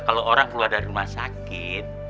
kalau orang keluar dari rumah sakit